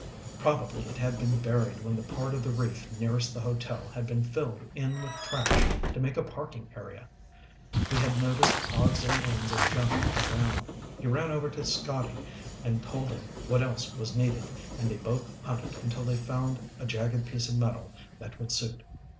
Probably it had been buried when the part of the reef nearest the hotel had been filled in with trash to make a parking area. He had noticed odds and ends of junk around. He ran over to Scotty and told him what else was needed and they both hunted until they found a jagged piece of metal that would suit.